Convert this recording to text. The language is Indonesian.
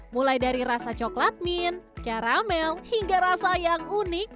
mulai dari rasa coklat min karamel hingga rasa yang unik